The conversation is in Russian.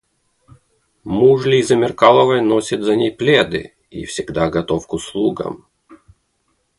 Муж Лизы Меркаловой носит за ней пледы и всегда готов к услугам.